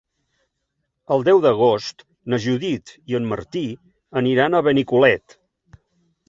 El deu d'agost na Judit i en Martí aniran a Benicolet.